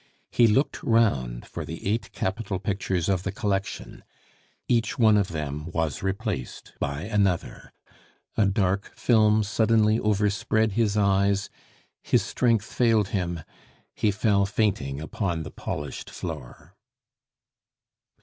He looked round for the eight capital pictures of the collection; each one of them was replaced by another. A dark film suddenly overspread his eyes; his strength failed him; he fell fainting upon the polished floor.